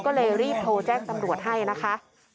ก็เลยรีบโทรแจ้งตำรวจให้นะคะ